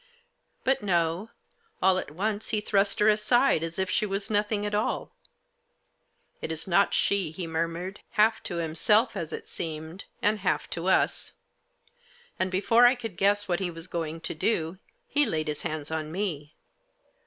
But no ; all at once he thrust her aside as if she was nothing at all. " It is not she," he murmured, halt to himself, as it seemed, and half to us. And before I could guess what he was going to do, he laid his hands on me.